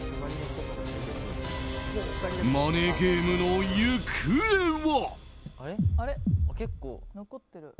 マネーゲームの行方は。